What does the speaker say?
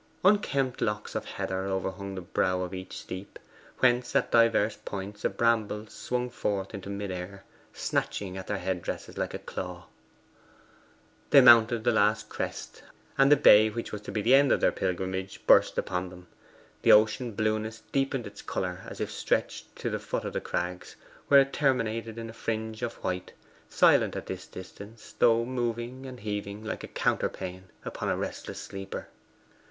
Unkempt locks of heather overhung the brow of each steep, whence at divers points a bramble swung forth into mid air, snatching at their head dresses like a claw. They mounted the last crest, and the bay which was to be the end of their pilgrimage burst upon them. The ocean blueness deepened its colour as it stretched to the foot of the crags, where it terminated in a fringe of white silent at this distance, though moving and heaving like a counterpane upon a restless sleeper.